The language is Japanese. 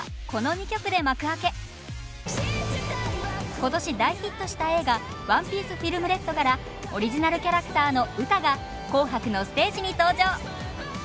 今年大ヒットした映画「ＯＮＥＰＩＥＣＥＦＩＬＭＲＥＤ」からオリジナルキャラクターのウタが「紅白」のステージに登場。